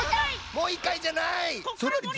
もういっかいじゃない！